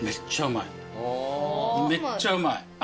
めっちゃうまい。